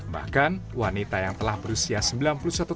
bahkan wanita yang telah berusia sembilan puluh satu tahun